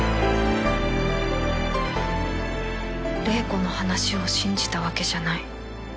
玲子の話を信じたわけじゃない